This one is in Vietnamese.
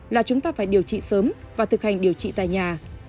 là chúng ta phải điều trị sớm và thực hành điều trị tại nhà